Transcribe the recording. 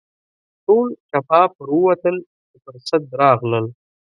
ټول چپه پر ووتل چې پر سد راغلل.